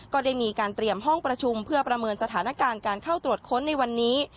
ก็ได้มีการเตรียมห้องประชุมเพื่อประเมินสถานการณ์การเข้าตรวจค้นในวันนี้